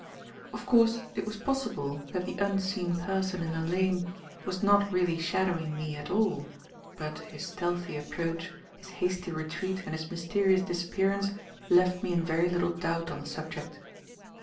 Of course it was possible that the unseen person in the lane was not really shadowing me at all; but his stealthy approach, his hasty retreat and his mysterious disappearance, left me in very little doubt on the subject.